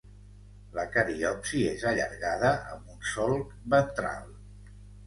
La cariopsi és allargada amb un solc ventral.